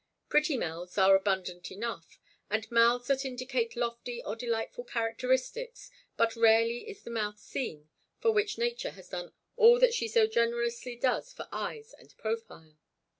Pretty mouths are abundant enough, and mouths that indicate lofty or delightful characteristics, but rarely is the mouth seen for which nature has done all that she so generously does for eyes and profile.